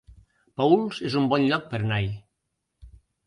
Paüls es un bon lloc per anar-hi